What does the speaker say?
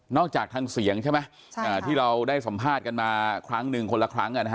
จากทางเสียงใช่ไหมที่เราได้สัมภาษณ์กันมาครั้งหนึ่งคนละครั้ง